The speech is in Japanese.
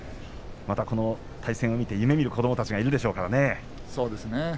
この対戦を見てまた夢みる子どもたちがいるでしょうからね。